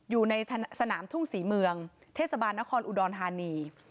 อยู่ในสนามทุ่งศรีเมืองเทศบาลนครอุดรธานี